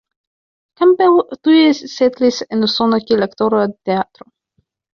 Campbell tuj setlis en Usono kiel aktoro de teatro.